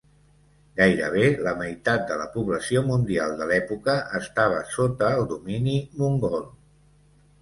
Gairebé la meitat de la població mundial de l'època estava sota el domini mongol.